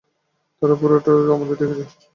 তারা পুরোটা সময় আমাদের দেখেছে।